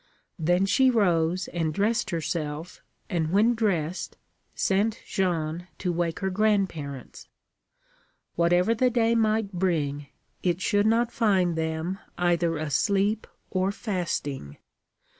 Then she rose and dressed herself, and, when dressed, sent Jeanne to wake her grandparents. Whatever the day might bring, it should not find them either asleep or fasting.